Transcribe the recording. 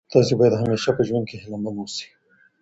تاسي باید همېشه په ژوند کي هیله من اوسئ.